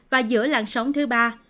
và giữa làn sóng thứ ba